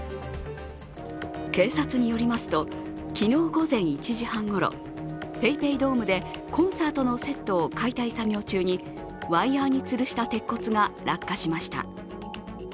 警察によりますと、昨日午前１時半ごろ、ＰａｙＰａｙドームでコンサートのセットを解体作業中にワイヤーにつるした鉄骨が落下しました。